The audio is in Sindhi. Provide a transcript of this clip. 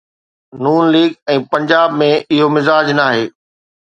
ن ليگ ۽ پنجاب ۾ اهو مزاج ناهي.